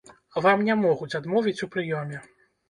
Вам не могуць адмовіць у прыёме.